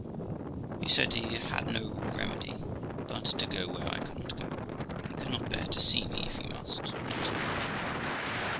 He said he had no remedy but to go where I could not go, for he could not bear to see me if he must not have me.